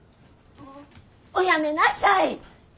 おやめなさい！